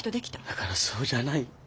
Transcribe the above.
だからそうじゃない。